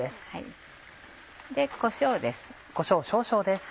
こしょうです。